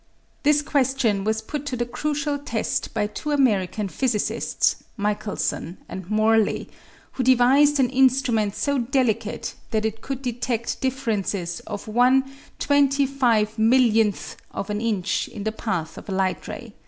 This question was put to the crucial test by two American physicists, Michelson and Morley, who devised an instrument so delicate that it could detect differences of one 25,000, 000th of an inch in the path of a light ray.